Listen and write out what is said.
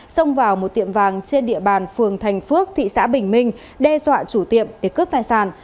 xông vào một tiệm vàng trên địa bàn phường thành phước thị xã bình minh đe dọa chủ tiệm để cướp tài sản